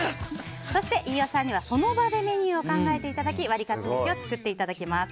そして飯尾さんには、その場でメニューを考えていただきワリカツめしを作っていただきます。